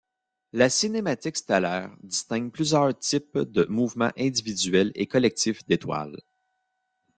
La cinématique stellaire distingue plusieurs types de mouvements individuels et collectifs d'étoiles.